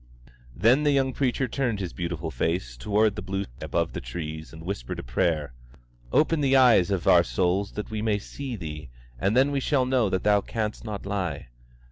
Then the young preacher turned his beautiful face toward the blue above the trees and whispered a prayer: "Open the eyes of our souls that we may see Thee, and then we shall know that Thou canst not lie.